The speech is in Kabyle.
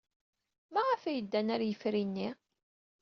Maɣef ay ddan ɣer yifri-nni?